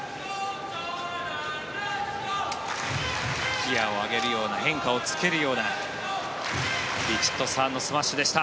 ギアを上げるような変化をつけるようなヴィチットサーンのスマッシュでした。